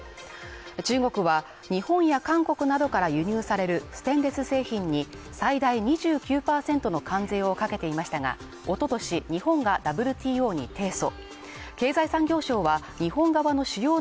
中国は日本や韓国などから輸入されるステンレス製品に最大２９％の関税をかけていましたが、おととし、日本がＷＴＯに提訴。